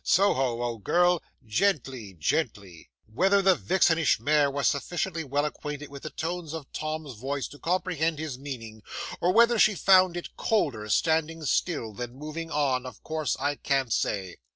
Soho, old girl gently gently." 'Whether the vixenish mare was sufficiently well acquainted with the tones of Tom's voice to comprehend his meaning, or whether she found it colder standing still than moving on, of course I can't say.